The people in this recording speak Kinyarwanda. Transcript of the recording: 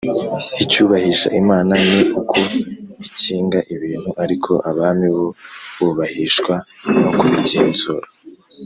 icyubahisha imana ni uko ikinga ibintu, ariko abami bo bubahishwa no kubigenzura